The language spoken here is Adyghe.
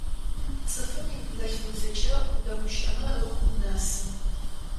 Цӏыфым иныдэлъфыбзэкӏэ удэгущыӏэмэ ыгу унэсы.